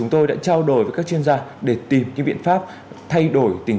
ngôi nhà bình yên